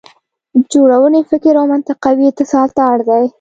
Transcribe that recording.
د جوړونې فکر او منطقوي اتصال ته اړ دی.